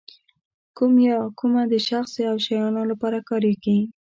کوم یا کومه د شخص او شیانو لپاره کاریږي.